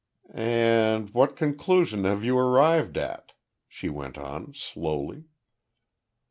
"And what conclusion have you arrived at?" she went on, slowly.